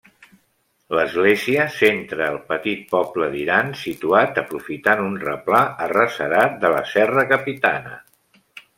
L'església centra el petit poble d'Iran, situat aprofitant un replà arrecerat de la Serra Capitana.